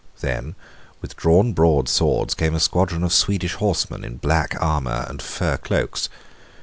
Then with drawn broad swords came a squadron of Swedish horsemen in black armour and fur cloaks.